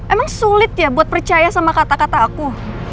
emang sulit ya buat percaya sama kata kata aku